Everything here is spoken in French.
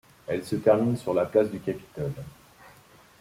Elle se termine sur la place du Capitole.